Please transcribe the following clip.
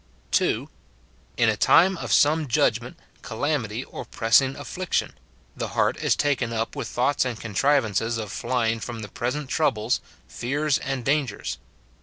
[2.] In a time of some judgment, calamity, or press ing afiliction ; the heart is taken up with thoughts and contrivances of flying from the present troubles, fears, and dangers.